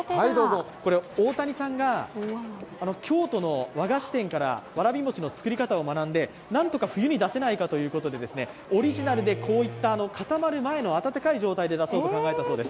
これ、大谷さんが京都の和菓子店からわらび餅の作り方を学んで、なんとか冬に出せないかということでオリジナルでこういった固まる前の温かい状態で出そうと考えたそうです。